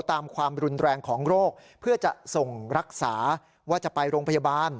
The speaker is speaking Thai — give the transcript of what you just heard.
ความรุนแรงของโรคเพื่อจะส่งรักษาว่าจะไปโรงพยาบาล